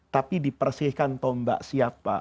tapi dipersihkan tombak siapa